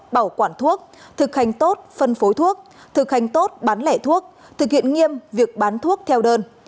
bảo quản thuốc thực hành tốt phân phối thuốc thực hành tốt bán lẻ thuốc thực hiện nghiêm việc bán thuốc theo đơn